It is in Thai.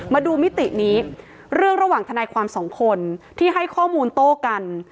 มิตินี้เรื่องระหว่างทนายความสองคนที่ให้ข้อมูลโต้กัน